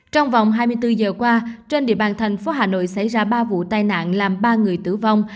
trong vòng hai mươi bốn giờ qua trên địa bàn thành phố hà nội xảy ra ba vụ tai nạn làm ba người tử vong